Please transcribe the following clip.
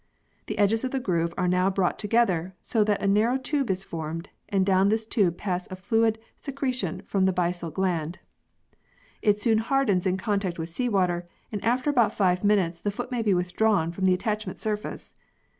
The edges of the groove are now brought together, so that a narrow tube is formed, and down this tube passes a fluid secretion from the byssal gland. It soon hardens in contact with sea water, and after about five minutes the foot may be withdrawn from the attachment surface.